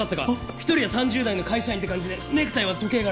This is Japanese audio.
一人は３０代の会社員って感じでネクタイは時計柄。